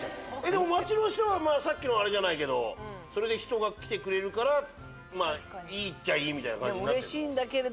でも街の人はさっきのあれじゃないけどそれで人が来てくれるからまあいいっちゃいいみたいな感じになってる？